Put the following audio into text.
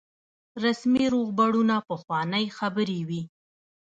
رسمي روغبړونه پخوانۍ خبرې وي.